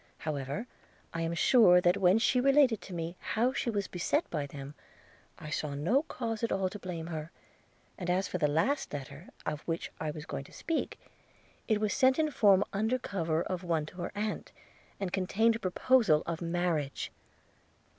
– However, I am sure that when she related to me how she was beset with them, I saw no cause at all to blame her; and as for the last letter, of which I was going to speak, it was sent in form under cover of one to her aunt, and contained a proposal of marriage.'